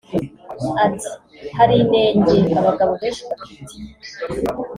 Ati “Hari inenge abagabo benshi bafite